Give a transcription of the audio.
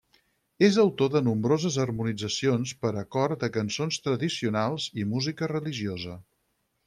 És autor de nombroses harmonitzacions per a cor de cançons tradicionals i música religiosa.